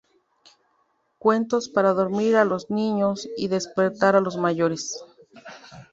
Cuentos para "dormir a los niños, y despertar a los mayores".